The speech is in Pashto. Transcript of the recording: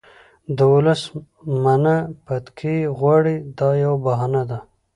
دولس منه بتکۍ غواړي دا یوه بهانه ده.